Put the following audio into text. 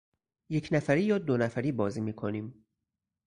یک نفری یا دونفری بازی میکنیم.